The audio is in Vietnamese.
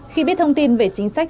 khi biết thông tin về chính sách